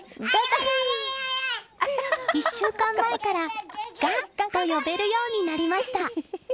１週間前から「ガ」が呼べるようになりました。